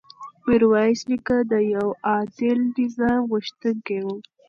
میرویس نیکه د یو عادل نظام غوښتونکی و.